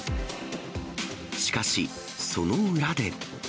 しかし、その裏で。